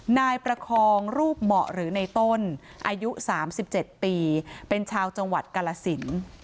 นายประคองรูปเหมาะหรือในต้นอายุ๓๗ปีเป็นชาวจังหวัดกาลสิน